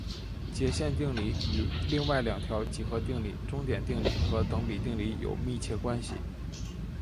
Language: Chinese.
截线定理与另外两条几何定理中点定理和等比定理有密切关系。